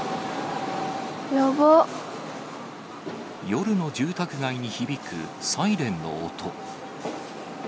夜の住宅街に響くサイレンの音。